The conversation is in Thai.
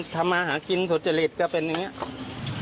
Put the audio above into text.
ทำมาหากินสุจริตก็เป็นอย่างนี้